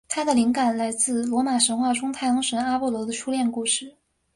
它的灵感来自罗马神话中太阳神阿波罗的初恋故事。